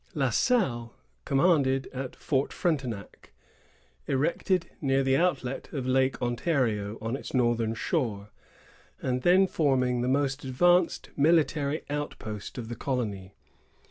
La Salle commanded at Fort Frontenac, erected near the outlet of Lake Ontario, on its northern shore, and then forming the most advanced military outpost of the colony.